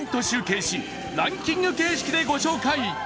集計し、ランキング形式でご紹介。